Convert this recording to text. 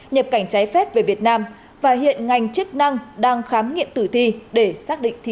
nhập cảnh trái phép về việt nam và hiện ngành chức năng đang khám nghiệm tử thi để xác định thí điểm